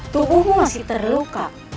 tubuhmu masih terluka